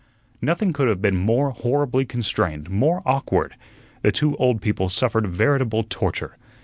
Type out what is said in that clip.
Nothing could have been more horribly constrained, more awkward. The two old people suffered veritable torture.